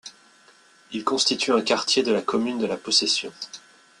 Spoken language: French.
Il constitue un quartier de la commune de La Possession.